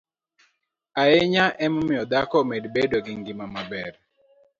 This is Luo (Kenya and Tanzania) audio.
ahinya e miyo dhako omed bedo gi ngima maber,